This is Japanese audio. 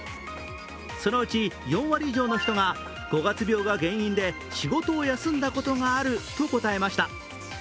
そのうち４割以上の人が五月病が原因で仕事を休んだことがあると答えました。